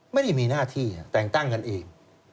ไม่ได้มีหน้าที่แต่งตั้งกันเอง